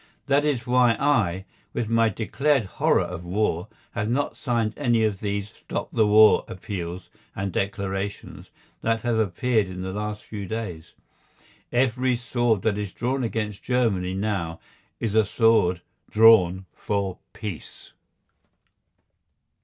That is why I, with my declared horror of war, have not signed any of these "stop the war" appeals and declarations that have appeared in the last few days. Every sword that is drawn against Germany now is a sword drawn for peace.